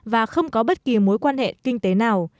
và không có bất kỳ mối quan hệ kinh tế nào